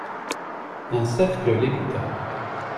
Un cercle l'écouta.